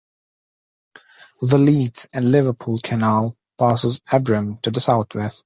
The Leeds and Liverpool Canal passes Abram to the southwest.